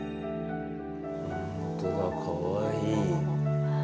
本当だかわいい。